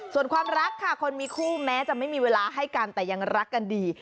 ส่วนความรักค่ะคนมีคู่แม้จะไม่มีเวลาให้กันแต่ยังรักกันดี